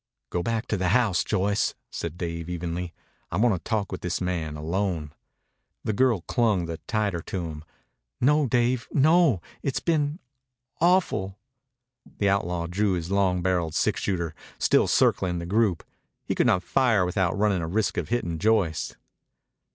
"Go back to the house, Joyce," said Dave evenly. "I want to talk with this man alone." The girl clung the tighter to him. "No, Dave, no! It's been ... awful." The outlaw drew his long barreled six shooter, still circling the group. He could not fire without running a risk of hitting Joyce.